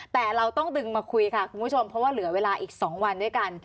แต่เราต้องดึงมาคุยค่ะคุณผู้ชมเพราะว่าเหลือเวลาอีก๒วันด้วยกัน